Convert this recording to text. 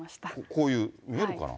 こういう、見えるかな。